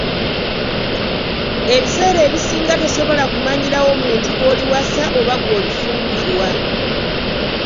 Ebiseera ebisinga tosobola kumanyirawo muntu gw'oliwasa oba gw'olifumbirwa.